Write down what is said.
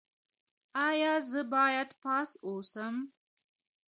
ایا زه باید پاس اوسم؟